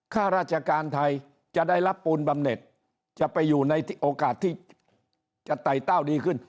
ข้าราชการไทยจะได้รับปูนบำเน็ตจะไปอยู่ในโอกาสที่จะไต่เต้าดีขึ้น